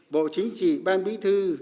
bộ chính trị ban bí thư